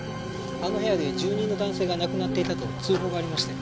あの部屋で住人の男性が亡くなっていたと通報がありまして。